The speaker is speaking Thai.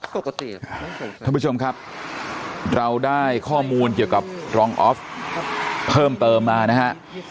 ปกติท่านผู้ชมครับเราได้ข้อมูลเกี่ยวกับรองออฟเพิ่มเติมมานะฮะ